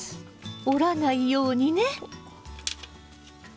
折らないようにね！